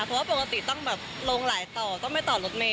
เพราะว่าปกติต้องแบบลงหลายต่อต้องไม่ต่อรถเมย